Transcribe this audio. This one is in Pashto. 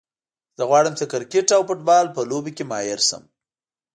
زه غواړم چې د کرکټ او فوټبال په لوبو کې ماهر شم